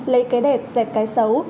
lấy cái đẹp dẹp cái xấu